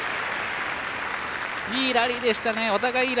いいラリーでした。